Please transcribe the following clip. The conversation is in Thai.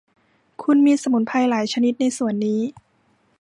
คุณมีสมุนไพรหลายชนิดในสวนนี้